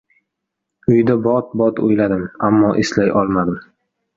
Uyda bot-bot o‘yladim — ammo eslay olmadim.